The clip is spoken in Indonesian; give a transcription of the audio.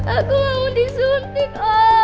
aku gak mau disuntik